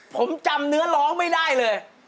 ผมจำเนื้อร้องไม่ได้เลย